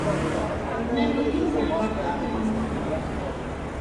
Nnan-iyi-d d lɣelḍa-inu.